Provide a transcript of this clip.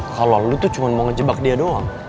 kalau lu tuh cuma mau ngejebak dia doang